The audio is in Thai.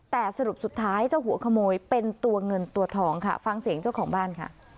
แต่สรุปสุดท้ายเจ้าหัวขโมยเป็นตัวเงินตัวทองค่ะฟังเสียงเจ้าของบ้านค่ะ